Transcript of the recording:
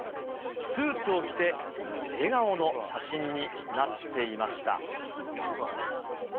スーツを着て笑顔の写真になっていました。